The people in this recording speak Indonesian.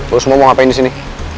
bu semua mau ngapain di sini